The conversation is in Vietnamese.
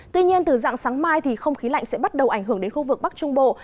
tuy nhiên từ dạng sáng mai thì không khí lạnh sẽ bắt đầu ảnh hưởng đến khu vực bắc trung bộ